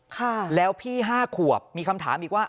ค่ะแล้วพี่ห้าขวบมีคำถามอีกว่า